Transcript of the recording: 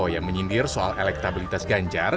yang menyindir soal elektabilitas ganjar